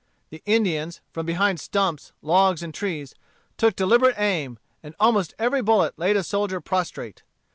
The Indians, from behind stumps, logs, and trees, took deliberate aim, and almost every bullet laid a soldier prostrate.